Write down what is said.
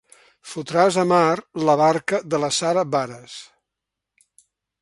Fotràs a mar la barca de la Sara Baras.